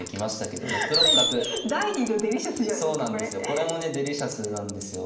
これもねデリシャスなんですよ。